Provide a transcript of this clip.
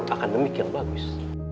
akademik yang bagus